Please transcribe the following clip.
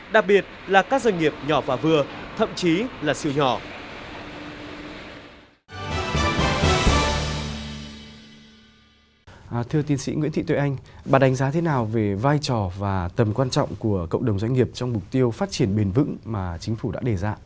đặc biệt là các doanh nghiệp nhỏ và vừa thậm chí là siêu nhỏ